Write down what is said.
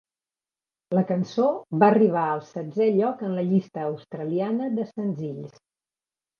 La cançó va arribar al setzè lloc en la llista australiana de senzills.